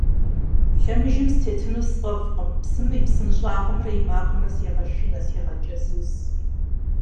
Лъэмыжым сытетыну сфӏэфӏкъым, псым и псынщӏагъымрэ и макъымрэ сегъэшынэ, сегъэкӏэзыз.